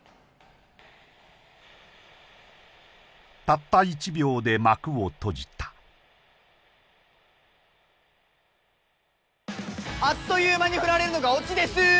たった１秒で幕を閉じたあっという間に振られるのがオチですー！